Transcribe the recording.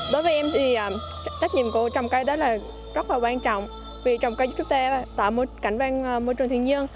đối với em thì trách nhiệm của trồng cây rất là quan trọng vì trồng cây giúp ta tạo một cảnh quan môi trường thiên nhiên